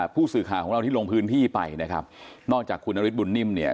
ผู้สื่อข่าวของเราที่ลงพื้นที่ไปนะครับนอกจากคุณนฤทธบุญนิ่มเนี่ย